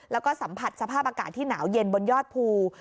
แล้วก็สัมผัสสภาพอากาศที่หนาวเย็นบนยอดภู